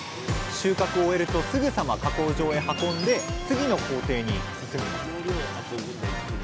収穫を終えるとすぐさま加工場へ運んで次の工程に進みます